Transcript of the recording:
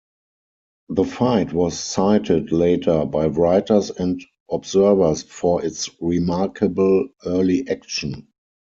The fight was cited later by writers and observers for its remarkable early action.